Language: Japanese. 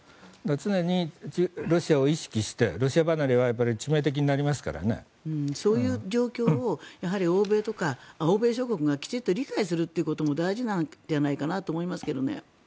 常にロシアを意識してロシア離れはそういう状況をやはり欧米とか欧米諸国がきちんと理解することが大事なんじゃないかなと思いますけどね。